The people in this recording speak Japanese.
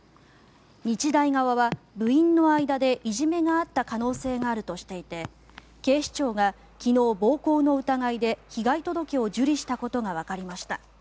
日大側は部員の間でいじめがあった可能性があるとしていて警視庁が昨日、暴行の疑いで被害届を受理したことがわかりました。